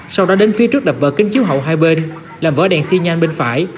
sau đó đến phía trước đập vỡ kính chiếu hậu hai bên làm vỡ đèn xi nhan bên phải